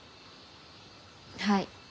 はい。